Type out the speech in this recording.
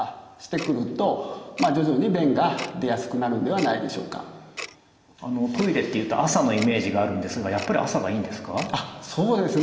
それがこうあのトイレっていうと朝のイメージがあるんですがやっぱり朝がいいんですか？